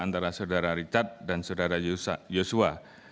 antara saudara richard dan saudara yosua